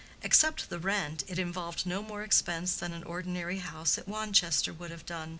Except the rent, it involved no more expense than an ordinary house at Wanchester would have done.